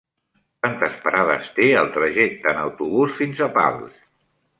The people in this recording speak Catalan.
Quantes parades té el trajecte en autobús fins a Pals?